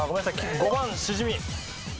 ５番シジミ。